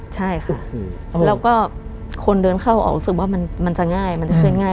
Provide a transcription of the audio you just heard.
ใช่ค่ะแล้วก็คนเดินเข้าออกรู้สึกว่ามันจะง่าย